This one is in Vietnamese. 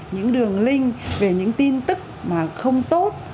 những đường link về những tin tức mà không tốt